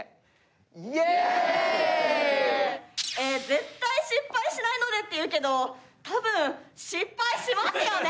「絶対失敗しないので」っていうけど多分失敗しますよね。